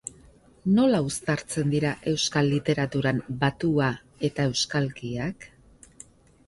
Nola uztartzen dira euskal literaturan batua eta euskalkiak?